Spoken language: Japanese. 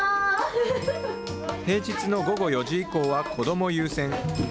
平日の午後４時以降は子ども優先。